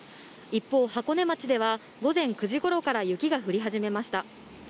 一方、箱根町では午前９時ごろから雪が降り始めました。